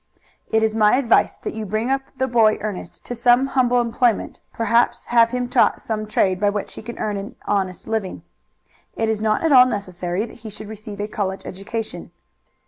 It is my advice that you bring up the boy Ernest to some humble employment, perhaps have him taught some trade by which he can earn an honest living. It is not at all necessary that he should receive a college education.